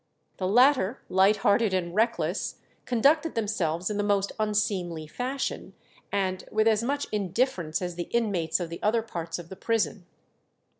The latter, light hearted and reckless, conducted themselves in the most unseemly fashion, and "with as much indifference as the inmates of the other parts of the prison."